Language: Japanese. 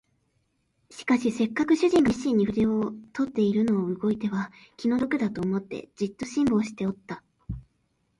しかしせっかく主人が熱心に筆を執っているのを動いては気の毒だと思って、じっと辛抱しておった